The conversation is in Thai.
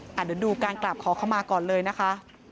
เดี๋ยวดูการกราบขอเข้ามาก่อนเลยนะคะ